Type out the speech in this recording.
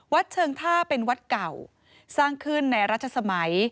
เชิงท่าเป็นวัดเก่าสร้างขึ้นในรัชสมัย